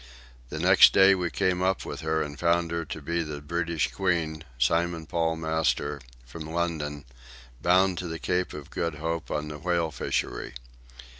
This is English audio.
The next day we came up with her and found her to be the British Queen, Simon Paul, master, from London, bound to the Cape of Good Hope on the whale fishery.